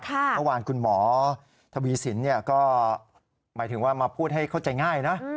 เมื่อวานคุณหมอทวีสินก็หมายถึงว่ามาพูดให้เข้าใจง่ายนะ